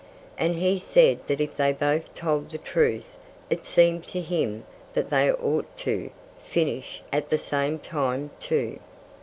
And he said that if they both told the truth it seemed to him that they ought to finish at the same time, too.